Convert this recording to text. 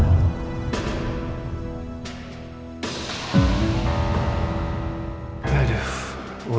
ya udah kalau gitu